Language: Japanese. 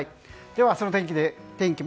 では明日の天気。